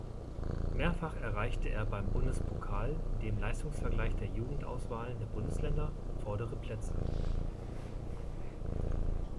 Mehrfach erreichte er beim Bundespokal, dem Leistungsvergleich der Jugend-Auswahlen der Bundesländer, vordere Plätze.